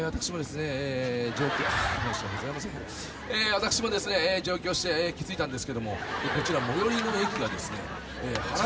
私もですね上京して気付いたんですけどもこちら最寄りの駅がですね原宿。